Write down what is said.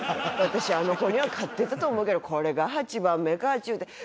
私あの子には勝ってたと思うけどこれが８番目かっちゅうて。